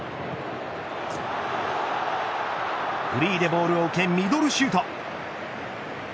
フリーでボールを受けミドルシュート。